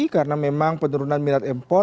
karena memang penurunan miliar empor